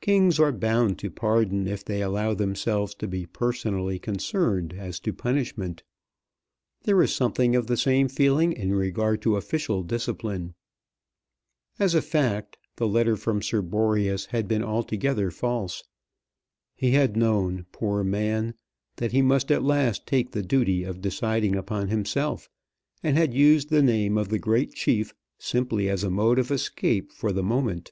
Kings are bound to pardon if they allow themselves to be personally concerned as to punishment. There was something of the same feeling in regard to official discipline. As a fact the letter from Sir Boreas had been altogether false. He had known, poor man, that he must at last take the duty of deciding upon himself, and had used the name of the great chief simply as a mode of escape for the moment.